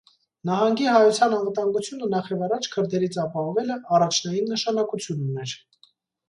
Նահանգի հայության անվտանգությունը, նախ և առաջ քրդերից ապահովելը, առաջնային նշանակություն ուներ։